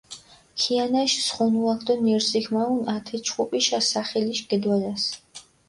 ქიანაშ სხუნუაქ დო ნირზიქ მაჸუნჷ ათე ჩხუპიშა სახელიშ გედვალას.